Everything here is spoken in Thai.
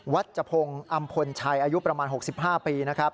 ัชพงศ์อำพลชัยอายุประมาณ๖๕ปีนะครับ